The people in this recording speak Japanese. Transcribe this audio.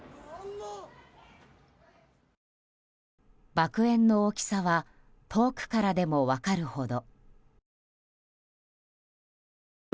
爆炎の大きさは遠くからでも分かるほど。